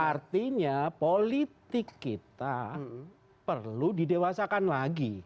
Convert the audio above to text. artinya politik kita perlu didewasakan lagi